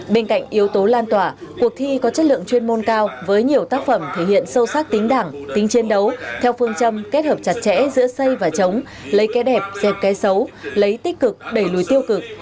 bên cạnh yếu tố lan tỏa cuộc thi có chất lượng chuyên môn cao với nhiều tác phẩm thể hiện sâu sắc tính đảng tính chiến đấu theo phương châm kết hợp chặt chẽ giữa xây và chống lấy cái đẹp dẹp cái xấu lấy tích cực đẩy lùi tiêu cực